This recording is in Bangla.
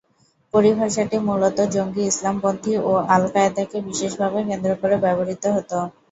পরিভাষাটি মূলত জঙ্গি ইসলামপন্থী ও আল-কায়েদাকে বিশেষভাবে কেন্দ্র করে ব্যবহৃত হত।